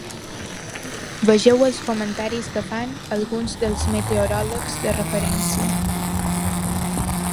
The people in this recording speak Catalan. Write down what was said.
Vegeu els comentaris que fan alguns dels meteoròlegs de referència.